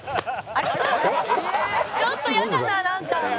「ちょっとやだななんか」